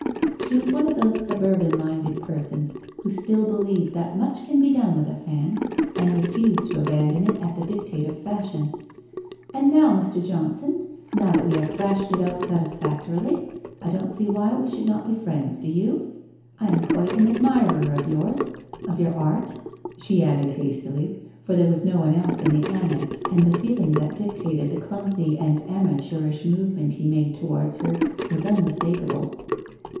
She was one of those sub urban minded persons who still believe that much can be done with a fan, and refuse to abandon it at the dictate of fashion. ' And now, Mr. Johnson, now that we have thrashed it out satisfactorily, I don't see why we should not be friends, do you? I am quite an admirer of yours — of your art. ...' she added hastily, for there was no one else in the annexe and the feeling that dictated the clumsy and amateurish movement lie made towards her was unmistakable.